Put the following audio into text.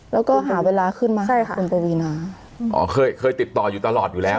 แล้วก็หาเวลาขึ้นมาใช่ค่ะคุณปวีนาอ๋อเคยเคยติดต่ออยู่ตลอดอยู่แล้ว